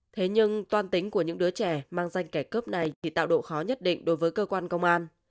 thế nhưng toàn tính của những đứa trẻ mang danh kẻ cướp này chỉ tạo độ khó nhất định đối với cơ quan công an